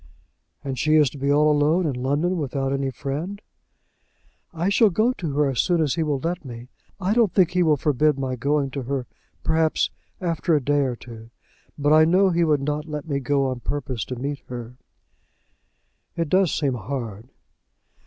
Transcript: "And she is to be all alone in London, without any friend?" "I shall go to her as soon as he will let me. I don't think he will forbid my going to her, perhaps after a day or two; but I know he would not let me go on purpose to meet her." "It does seem hard."